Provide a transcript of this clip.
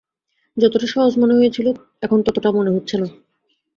যতটা সহজ মনে হয়েছিল এখন ততটা মনে হচ্ছে না।